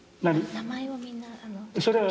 名前をみんなあの。